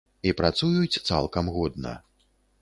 І працуюць цалкам годна.